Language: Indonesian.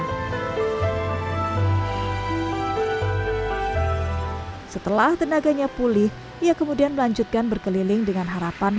setelah tenaganya pulih ia kemudian melanjutkan berkeliling dengan harapan